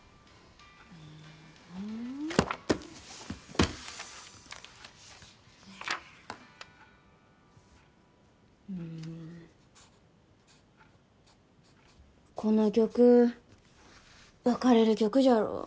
おううんこの曲別れる曲じゃろ？